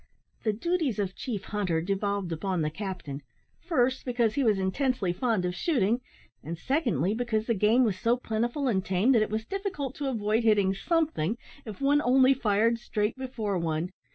The duties of chief hunter devolved upon the captain, first, because he was intensely fond of shooting; and, secondly, because game was so plentiful and tame, that it was difficult to avoid hitting something, if one only fired straight before one.